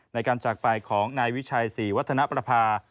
ในการจากไปของนายวิชัยศรีวัฒนประภา